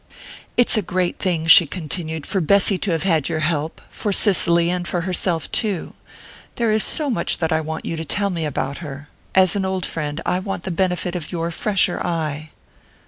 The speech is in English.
"It's a great thing," she continued, "for Bessy to have had your help for Cicely, and for herself too. There is so much that I want you to tell me about her. As an old friend I want the benefit of your fresher eye."